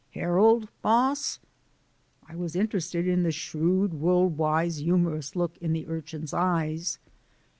"Herald, boss?" I was interested in the shrewd, world wise, humorous look in the urchin's eyes.